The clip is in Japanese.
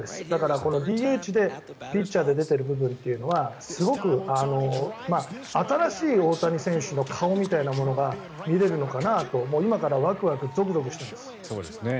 だからＤＨでピッチャーで出ている部分というのはすごく新しい大谷選手の顔みたいなものが見れるのかなと今からワクワクゾクゾクしています。